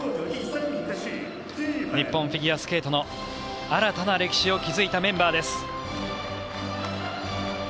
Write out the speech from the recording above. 日本フィギュアスケートの新たな歴史を築いたメンバーです。